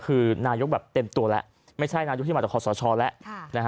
คือนายกแบบเต็มตัวแล้วไม่ใช่นายกที่มาจากคอสชแล้ว